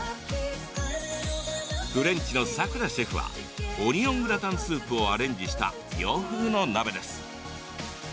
フレンチのさくらシェフはオニオングラタンスープをアレンジした洋風の鍋です。